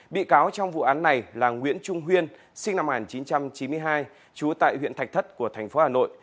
bị cáo trong vụ án này là nguyễn trung huyên sinh năm một nghìn chín trăm chín mươi hai chú tại huyện thạch thất của tp hà nội